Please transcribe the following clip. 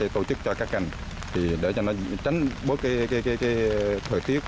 tổ chức cho các cành để tránh bớt thời tiết